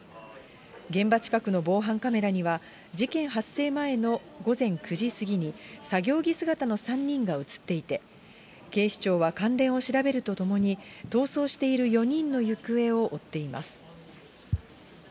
現場近くの防犯カメラには、事件発生前の午前９時過ぎに、作業着姿の３人が写っていて、警視庁は関連を調べるとともに、逃走している４人の行方を追っています。